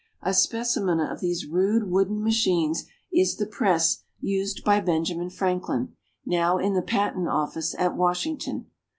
A specimen of these rude wooden machines is the press used by Benjamin Franklin, now in the Patent Office at Washington.